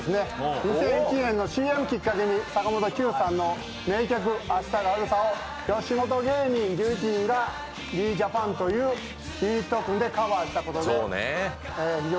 ２００１年のＣＭをきっかけに坂本九さんの名曲「明日があるさ」を吉本芸人１１人がＲｅ：Ｊａｐａｎというユニットを組んでカバーしたことで。